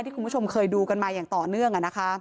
คุณผู้ชมเคยดูกันมาอย่างต่อเนื่อง